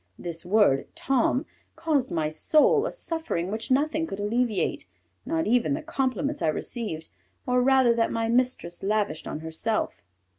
This word, Tom, caused my soul a suffering which nothing could alleviate, not even the compliments I received, or rather that my mistress lavished on herself.